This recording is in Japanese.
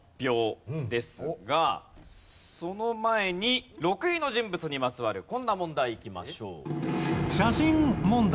その前に６位の人物にまつわるこんな問題いきましょう。